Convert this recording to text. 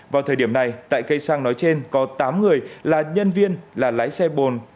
vào thời điểm này tại cây xăng nói trên có tám người là nhân viên là lái xe bồn